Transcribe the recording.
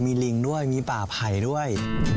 มีลิงด้วยมีป่าไผ่ด้วย